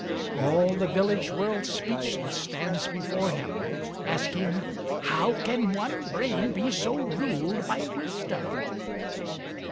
All the village world speechless stands before him. Asking "How can one brain be so ruled by Wisdom?"